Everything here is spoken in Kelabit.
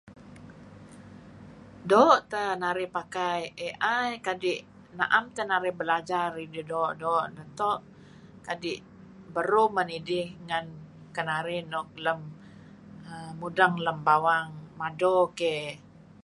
Doo' teh narih pakai AI kadi' na'em teh narih belajar idih doo'-doo' beto' adi' beruh men idih ngen kenarih nuk mudeng lem bawang mado key.